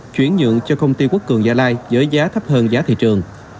chuyển nhượng cho công ty quốc cường gia lai với giá thấp hơn giá thị trường